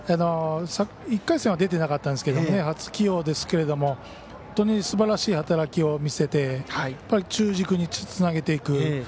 １回戦は出てなかったんですが初起用ですけども本当にすばらしい働きを見せて中軸につなげていく。